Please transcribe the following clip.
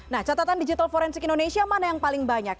nah catatan digital forensik indonesia mana yang paling banyak